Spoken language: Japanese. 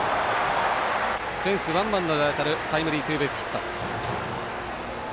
フェンスワンバウンドで当たるタイムリーツーベースヒット。